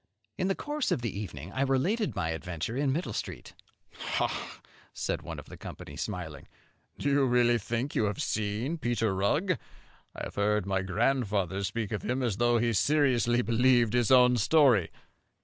In the course of the evening I related my adventure in Middle Street. "Ha!" said one of the company, smiling, "do you really think you have seen Peter Rugg? I have heard my grandfather speak of him as though he seriously believed his own story."